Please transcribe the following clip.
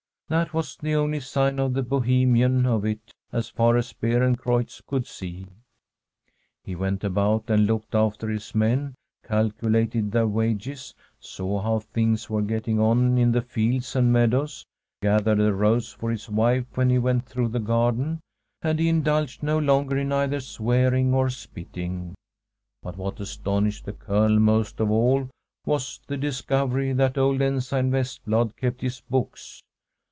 That was the only sign of the Bohcfnian left, as far as Beef^ncrevi^z coqld sec* From a SfTEDISH HOMESTEAD He went about and looked after his men, calcu lated their wages, saw how things were getting on in the fields and meadows, gathered a rose for his wife when he went through the garden, and he in dulged no longer in either swearing or spitting. But what astonished the Colonel most of all was the discovery that old Ensign Vestblad kept his books.